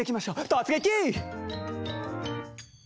突撃！